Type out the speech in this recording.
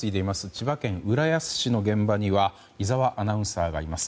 千葉県浦安市の現場には井澤アナウンサーがいます。